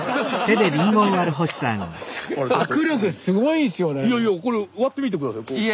いやいやこれ割ってみて下さい。